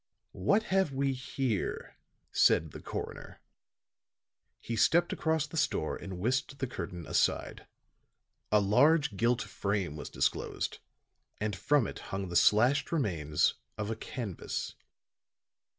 "What have we here?" said the coroner. He stepped across the store and whisked the curtain aside. A large gilt frame was disclosed; and from it hung the slashed remains of a canvas.